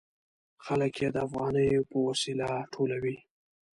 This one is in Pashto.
خلک یې د افغانیو په وسیله ټولوي.